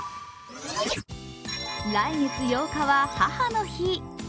来月８日は、母の日。